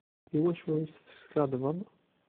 Iwacu i s-teskaddbeḍ?